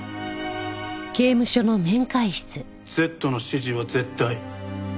Ｚの指示は絶対。